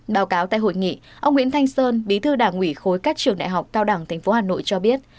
báo cáo tại hội nghị ông nguyễn thanh sơn bí thư đảng ủy khối các trường đại học cao đẳng tp hà nội cho biết